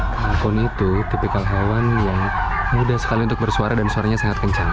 pohon itu tipikal hewan yang mudah sekali untuk bersuara dan suaranya sangat kencang